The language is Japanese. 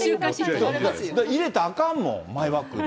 入れたらあかんもん、マイバッグに。